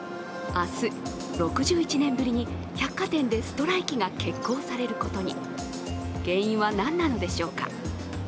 明日、６１年ぶりに百貨店でストライキが結構されることに。